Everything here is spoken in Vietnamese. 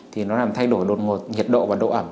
thì nó làm thay đổi đột ngột nhiệt độ và độ ẩm